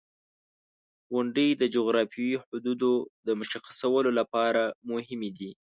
• غونډۍ د جغرافیوي حدودو د مشخصولو لپاره مهمې دي.